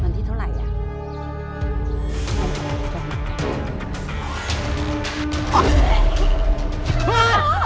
วันที่เท่าไหร่